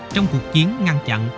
trong cuộc chiến ngăn chặn